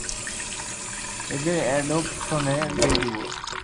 এদের অ্যাডপশনে দিয়ে দিবো।